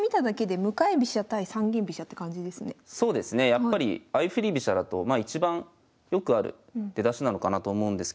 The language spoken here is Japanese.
やっぱり相振り飛車だと一番よくある出だしなのかなと思うんですけど。